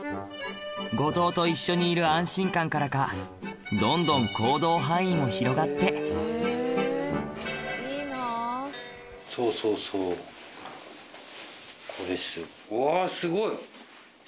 後藤と一緒にいる安心感からかどんどん行動範囲も広がってこれ。